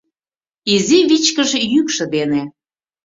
Изи вичкыж йӱкшӧ дене